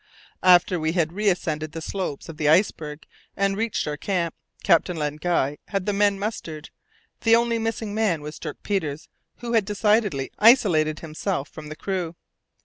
After we had reascended the slopes of the iceberg and reached our camp, Captain Len Guy had the men mustered. The only missing man was Dirk Peters, who had decidedly isolated himself from the crew.